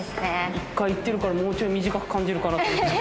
１回行ってるからもうちょい短く感じるかなと。